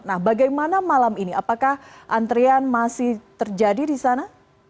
nah bagaimana malam ini apakah antrian masih terjadi di sana